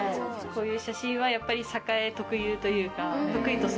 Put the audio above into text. こういう写真はやっぱり栄特有というか。